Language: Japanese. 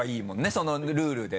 そのルールで。